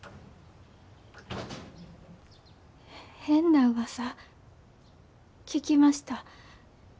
変なうわさ聞きました。